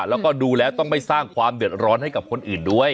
แล้วก็ดูแล้วต้องไม่สร้างความเดือดร้อนให้กับคนอื่นด้วย